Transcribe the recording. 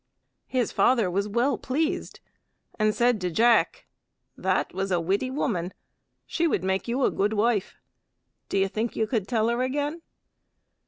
His father was well pleased, and said to Jack, "That was a witty woman; she would make you a good wife. Do you think you could tell her again?"